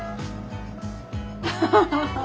ハハハハ。